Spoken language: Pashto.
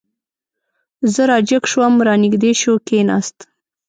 زه را جګ شوم، را نږدې شو، کېناست.